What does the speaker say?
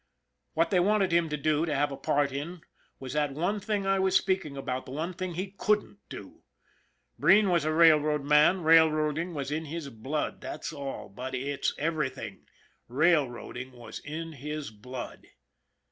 What they wanted him to do, to have a part in, was that one thing I was speaking about, the one thing he couldn't do. Breen was a railroad man, railroading was in his blood, that's all but it's everything railroading was in his blood.